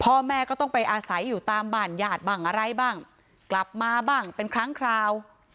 พ่อแม่ก็ต้องไปอาศัยอยู่ตามบ้านญาติบ้างอะไรบ้างกลับมาบ้างเป็นครั้งคราว